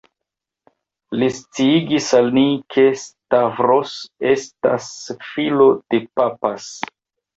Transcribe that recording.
Li sciigis al ni, ke Stavros estas filo de «_papas_».